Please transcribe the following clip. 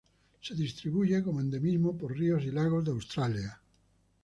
Se distribuye como endemismo por ríos y lagos de Australia.